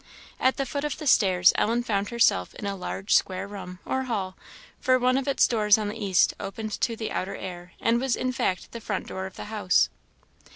At the foot of the stairs Ellen found herself in a large square room or hall, for one of its doors on the east opened to the outer air, and was in fact the front door of the house.